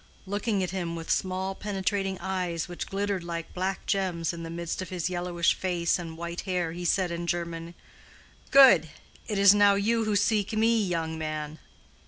Looking at him with small penetrating eyes which glittered like black gems in the midst of his yellowish face and white hair, he said in German, "Good! It is now you who seek me, young man."